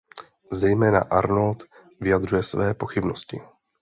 Zejména Arnold vyjadřuje své pochybnosti.